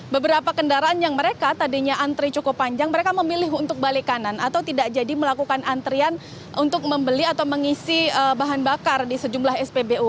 beberapa kendaraan yang mereka tadinya antri cukup panjang mereka memilih untuk balik kanan atau tidak jadi melakukan antrian untuk membeli atau mengisi bahan bakar di sejumlah spbu